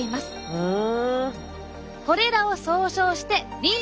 ふん。